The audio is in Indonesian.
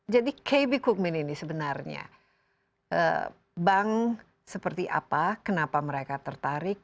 jadi kb kukmin ini sebenarnya bank seperti apa kenapa mereka tertarik